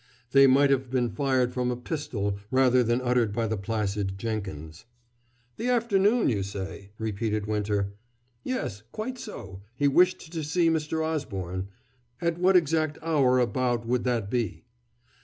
They might have been fired from a pistol rather than uttered by the placid Jenkins. "The afternoon, you say," repeated Winter. "Yes quite so; he wished to see Mr. Osborne. At what exact hour about would that be?"